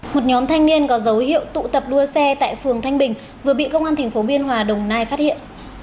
một nhóm thanh niên có dấu hiệu tụ tập đua xe tại phường thanh bình vừa bị công an tp biên hòa đồng nai phát hiện